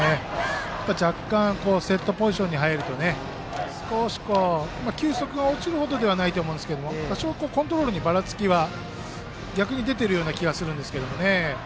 若干、セットポジションに入ると少し球速が落ちるほどではないと思うんですけども多少コントロールにばらつきが逆に出ている気がするんですけどね。